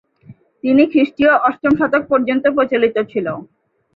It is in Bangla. এটি খ্রিস্টীয় অষ্টম শতক পর্যন্ত প্রচলিত ছিল।